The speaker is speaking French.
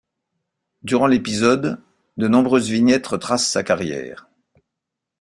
Durant l'épisode, de nombreuses vignettes retracent sa carrière.